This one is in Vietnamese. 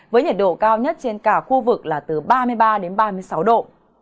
với nhiệt độ cao nhất trên cả khu vực là từ ba mươi ba đến ba mươi sáu độ